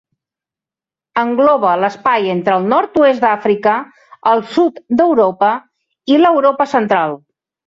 Engloba l'espai entre el nord-oest d'Àfrica, el sud d'Europa i l'Europa central.